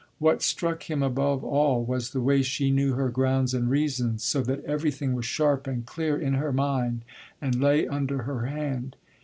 What struck him above all was the way she knew her grounds and reasons, so that everything was sharp and clear in her mind and lay under her hand.